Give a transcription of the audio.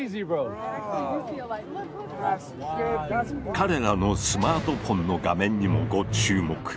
彼らのスマートフォンの画面にもご注目。